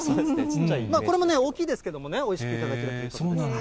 これも大きいですけどもね、おいしく頂けるということで。